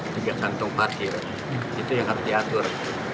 tiga kantong parkir itu yang harus diatur